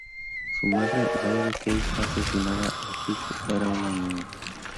Su madre, la Lady "Kei", fue asesinada cuando Kiku era una niña.